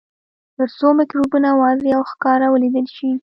تر څو مکروبونه واضح او ښکاره ولیدل شي.